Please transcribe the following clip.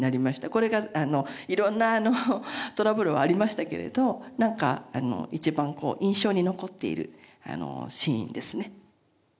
これが色んなトラブルはありましたけれどなんか一番印象に残っているシーンですね。